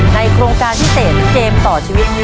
โครงการพิเศษเกมต่อชีวิตนี้